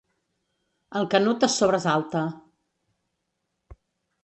El Canut es sobresalta.